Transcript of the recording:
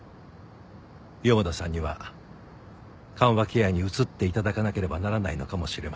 四方田さんには緩和ケアに移って頂かなければならないのかもしれません。